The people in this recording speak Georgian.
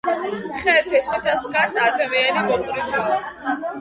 ხე ფესვითა სდგას, ადამიანი მოყვრითაო